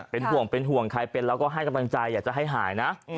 เป็นห่วงเป็นห่วงใครเป็นแล้วก็ให้กำลังใจอยากจะให้หายนะ